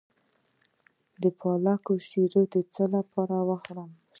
د پالک شیره د څه لپاره وکاروم؟